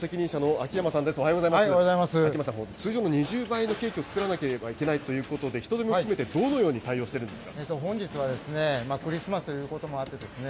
秋山さん、通常の２０倍のケーキを作らなければいけないということで、人手も含めてどのように対応しているんですか。